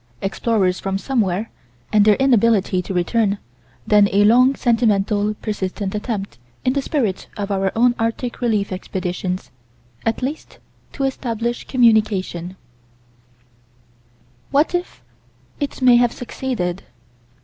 Explorers from somewhere, and their inability to return then, a long, sentimental, persistent attempt, in the spirit of our own Arctic relief expeditions at least to establish communication What if it may have succeeded?